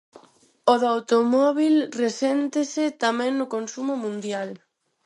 O do automóbil reséntese tamén no consumo mundial.